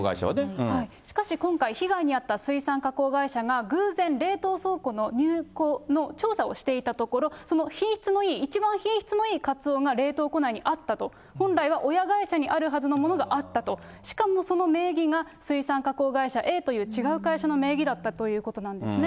しかし、今回被害に遭った水産加工会社が偶然、冷凍倉庫の入庫の調査をしていたところ、その品質のいい、一番品質のいいカツオが冷凍庫内にあったと、本来は親会社にあるはずのものがあったと、しかもその名義が、水産加工会社Ａという違う会社の名義だったということなんですね。